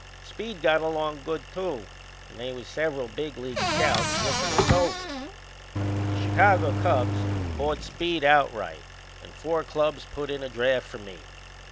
Speed got along good too, and they was several big league scouts lookin' us over. The Chicago Cubs bought Speed outright and four clubs put in a draft for me.